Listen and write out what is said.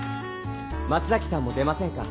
松崎さんも出ませんか？